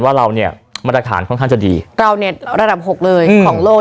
ว่าเราเนี่ยมาตรฐานค่อนข้างจะดีเราเนี่ยระดับหกเลยของโลก